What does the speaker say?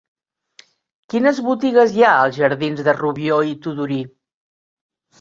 Quines botigues hi ha als jardins de Rubió i Tudurí?